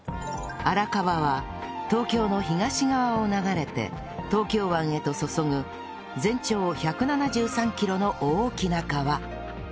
荒川は東京の東側を流れて東京湾へと注ぐ全長１７３キロの大きな川